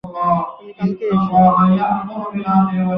কোন বাক্যই তা উচ্চারণ করতে পারে না।